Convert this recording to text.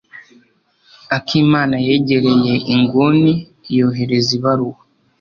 akimana yegereye inguni yohereza ibaruwa.